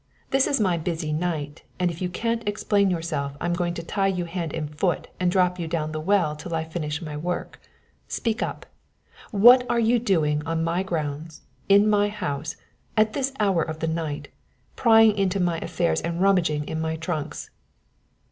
This is my busy night and if you can't explain yourself I'm going to tie you hand and foot and drop you down the well till I finish my work. Speak up! What are you doing on my grounds, in my house, at this hour of the night, prying into my affairs and rummaging in my trunks?"